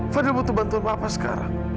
fadil butuh bantuan papa sekarang